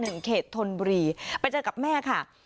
หนึ่งเขตทนบรีไปจัดกับแม่ค่ะ